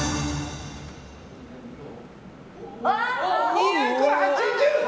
２８０！